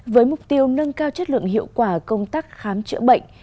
với mục tiêu nâng cao chất lượng hiệu quả công tác khám chữa bệnh